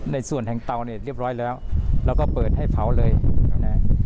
ในส่วนแห่งเตาเนี่ยเรียบร้อยแล้วแล้วก็เปิดให้เผาเลยนะ